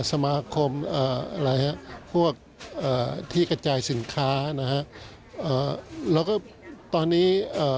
สมาคมอ่าอะไรฮะพวกอ่าที่กระจายสินค้านะฮะอ่าแล้วก็ตอนนี้เอ่อ